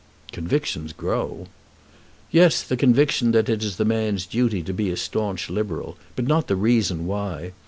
"Convictions grow." "Yes; the conviction that it is the man's duty to be a staunch Liberal, but not the reason why.